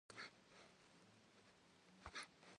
Sexu mıver ş'ım khış'ax xhuğuef'ığue ğeş'eğuenışeş.